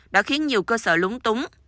đã khiến nhiều cơ sở lúng túng